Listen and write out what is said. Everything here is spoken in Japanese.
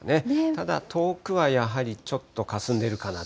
ただ、遠くはやはりちょっとかすんでいるかなと。